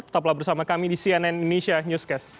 tetaplah bersama kami di cnn indonesia newscast